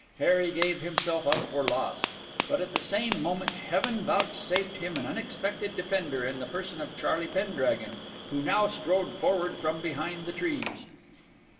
Harry gave himself up for lost; but at the same moment Heaven vouchsafed him an unexpected defender in the person of Charlie Pendragon, who now strode forward from behind the trees.